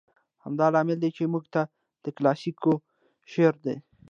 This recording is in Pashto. همدا لامل دى، چې موږ ته د کلاسيکې شاعرۍ